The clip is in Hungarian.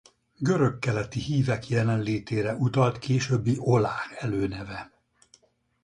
Görög-keleti hívek jelenlétére utalt későbbi Oláh előneve.